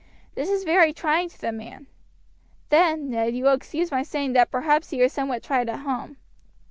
This is very trying to the man. Then, Ned, you will excuse my saying that perhaps he is somewhat tried at home.